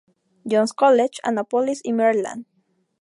John's College, Annapolis, Maryland.